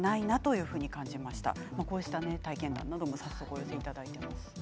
こうした体験談なども早速お寄せいただいています。